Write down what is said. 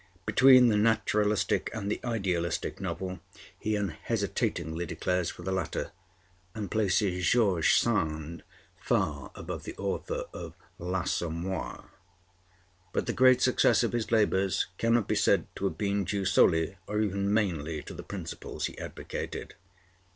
Between the naturalistic and the idealistic novel he unhesitatingly declares for the latter, and places George Sand far above the author of 'L'Assommoir.' But the great success of his labors cannot be said to have been due solely or even mainly to the principles he advocated.